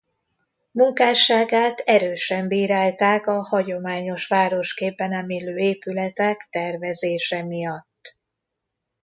Munkásságát erősen bírálták a hagyományos városképbe nem illő épületek tervezése miatt.